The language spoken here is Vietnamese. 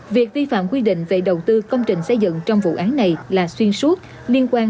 việc vi phạm quy định về đầu tư công trình xây dựng trong vụ án này là xuyên suốt liên quan